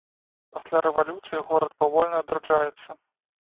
Пасля рэвалюцыі горад павольна адраджаецца.